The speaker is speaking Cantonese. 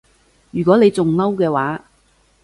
如果你仲嬲嘅話